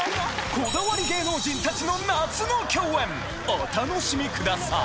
こだわり芸能人達の夏の狂宴お楽しみください！